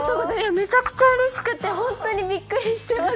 めちゃめちゃうれしくて本当にびっくりしています。